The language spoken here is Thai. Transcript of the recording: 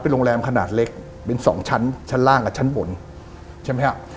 โรงแรมขนาดเล็กเป็นสองชั้นชั้นล่างกับชั้นบนใช่ไหมฮะ